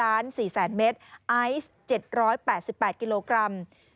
ไอศัตรู๗๘๘กิโลกรัม